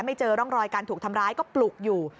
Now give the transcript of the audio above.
เจอร่องรอยการถูกทำร้ายก็ปลุกอยู่